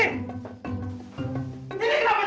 ini kenapa jadi baju perempuan